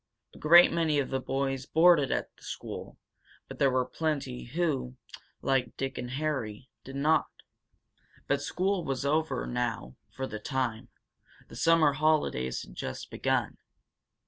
A great many of the boys boarded at the school, but there were plenty who, like Dick and Harry, did not. But school was over now, for the time. The summer holidays had just begun.